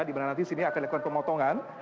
di mana nanti sini akan dilakukan pemotongan